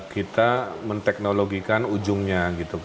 kita menteknologikan ujungnya